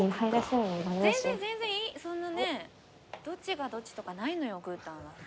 ［全然全然いいそんなねどっちがどっちとかないのよ「グータン」は］